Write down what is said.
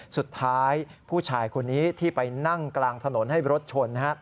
สุดท้ายผู้ชายคนนี้ที่ไปนั่งกลางถนนให้รถชน